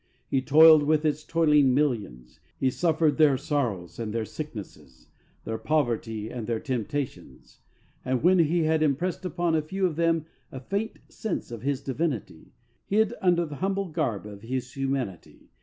He toiled with its toiling millions. He suffered their sorrows and their sicknesses, their poverty and their temptations, and when He had impressed upon a few of them a faint sense of His divinity, hid under the humble garb of His humanity.